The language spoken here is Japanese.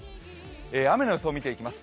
雨の予想を見ていきます。